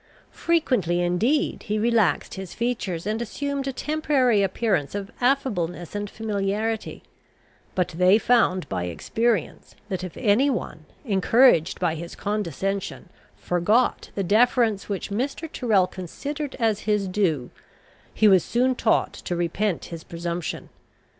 Frequently indeed he relaxed his features, and assumed a temporary appearance of affableness and familiarity; but they found by experience, that if any one, encouraged by his condescension, forgot the deference which Mr. Tyrrel considered as his due, he was soon taught to repent his presumption.